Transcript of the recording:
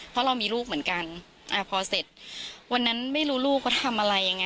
เพราะเรามีลูกเหมือนกันอ่าพอเสร็จวันนั้นไม่รู้ลูกเขาทำอะไรยังไง